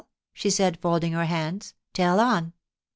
* she said, folding her hands ;* tell on.'